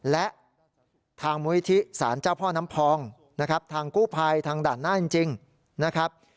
และทางมุยที่สารเจ้าพ่อน้ำพองนะครับทางกู้ภัยทางด่านหน้าจริงนะครับ